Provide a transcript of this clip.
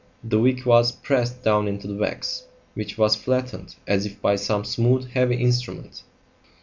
The wick was pressed down into the wax, which was flattened as if by some smooth, heavy instrument.